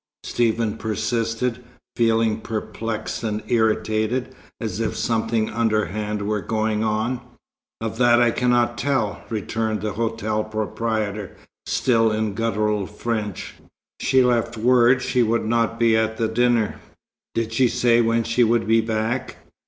Stephen persisted, feeling perplexed and irritated, as if something underhand were going on. "Of that I cannot tell," returned the hotel proprietor, still in guttural French. "She left word she would not be at the dinner." "Did she say when she would be back?"